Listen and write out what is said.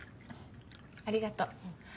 ありがとう。